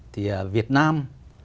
thì việt nam